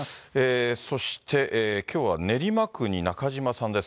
そして、きょうは練馬区に中島さんです。